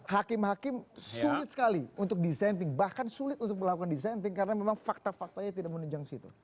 hakim hakim sulit sekali untuk dissenting bahkan sulit untuk melakukan dissenting karena memang fakta faktanya tidak menunjang situ